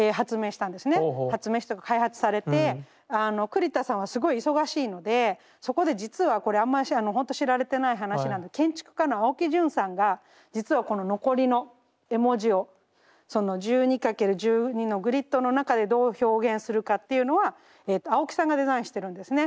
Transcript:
発明した開発されて栗田さんはすごい忙しいのでそこで実はこれほんと知られてない話なので建築家の青木淳さんが実はこの残りの絵文字をその１２×１２のグリッドの中でどう表現するかっていうのは青木さんがデザインしてるんですね。